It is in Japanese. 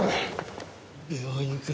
病院か？